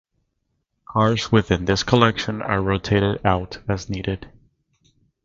Cars within this collection are rotated out as needed.